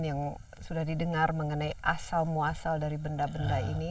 yang sudah didengar mengenai asal muasal dari benda benda ini